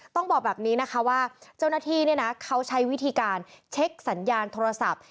ต้องบอกแบบนี้นะคะว่าเจ้าหน้าที่เนี่ยนะเขาใช้วิธีการเช็คสัญญาณโทรศัพท์